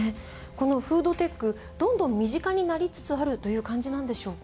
このフードテックどんどん身近になりつつあるという感じなんでしょうか？